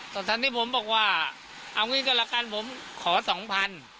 ตอนนี้ผมบอกว่าเอางี้ก็ละกันผมขอสองพัน